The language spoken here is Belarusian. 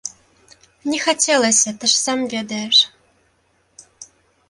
Не хацелася, ты ж сам ведаеш.